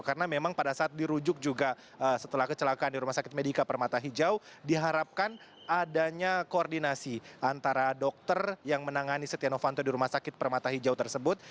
karena memang pada saat dirujuk juga setelah kecelakaan di rumah sakit medika permata hijau diharapkan adanya koordinasi antara dokter yang menangani setianov fanto di rumah sakit permata hijau tersebut